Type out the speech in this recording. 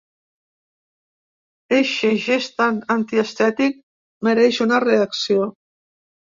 Eixe gest tan antiestètic mereix una reacció.